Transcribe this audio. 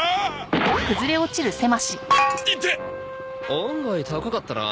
案外高かったなあ。